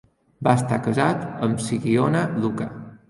Va estar casat amb Sikiona Luka.